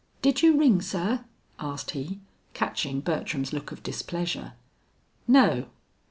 "Did you ring, sir?" asked he, catching Bertram's look of displeasure. "No."